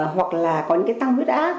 hoặc là có những cái tăng huyết áp